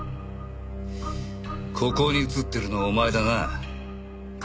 ここに映ってるのはお前だな？